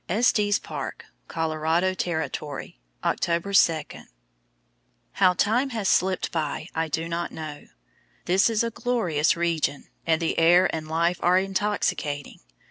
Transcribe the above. ESTES PARK, COLORADO TERRITORY, October 2. How time has slipped by I do not know. This is a glorious region, and the air and life are intoxicating.